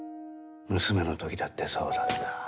娘の時だってそうだった。